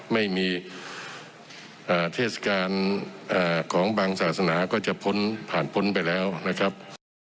ไม่มีเทศกาลของบางศาสนาก็จะพ้นผ่านพ้นไปแล้วนะครับ